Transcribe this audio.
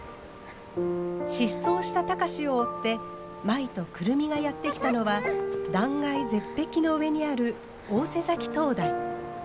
失踪した貴司を追って舞と久留美がやって来たのは断崖絶壁の上にある大瀬埼灯台。